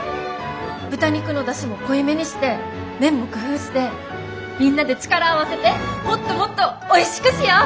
豚肉の出汁も濃いめにして麺も工夫してみんなで力を合わせてもっともっとおいしくしよう！